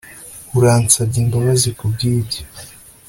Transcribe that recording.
uransabye imbabazi kubwibyo